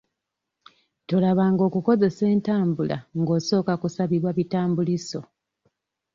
Tolaba nga okukozesa entambula nga osooka kusabibwa bitambuliiso.